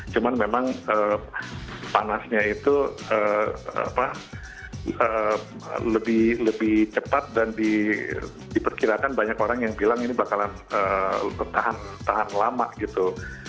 cuman memang panasnya itu lebih cepat dan diperkirakan banyak orang yang bilang ini bakalan tahan lama gitu